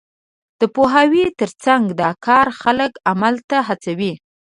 د پوهاوي تر څنګ، دا کار خلک عمل ته هڅوي.